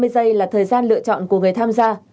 ba mươi giây là thời gian lựa chọn của người tham gia